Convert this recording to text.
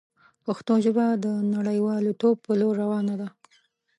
پښتو ژبه د نړیوالتوب په لور روانه ده.